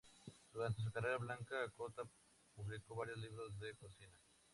Durante su carrera, Blanca Cotta publicó varios libros de cocina.